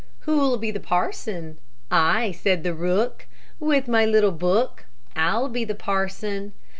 Who'll be the parson? "I," said the rook, "With my little book, I'll be the parson."